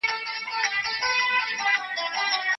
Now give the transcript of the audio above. موږ د خپل ځان په اړه زده کړه کوو.